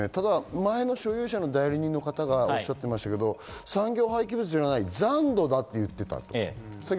前の所有者の代理人の方がおっしゃっていましたが、産業廃棄物じゃない、残土だと言っていたと。